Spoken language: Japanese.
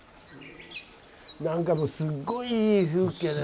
何かもうすっごいいい風景だよ